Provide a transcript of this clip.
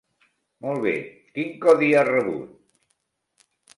Molt bé, quin codi ha rebut?